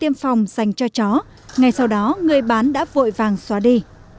tiêm phòng dành cho chó ngay sau đó người bán đã vội vàng xóa đi